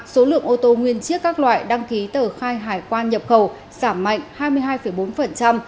số lượng ô tô nguyên chiếc các loại đăng ký tờ khai hải quan nhập khẩu giảm mạnh hai mươi hai bốn